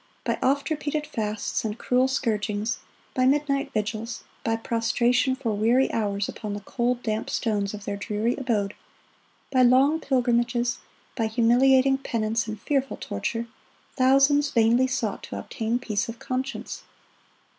By oft repeated fasts and cruel scourgings, by midnight vigils, by prostration for weary hours upon the cold, damp stones of their dreary abode, by long pilgrimages, by humiliating penance and fearful torture, thousands vainly sought to obtain peace of conscience.